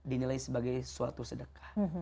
itu adalah suatu sedekah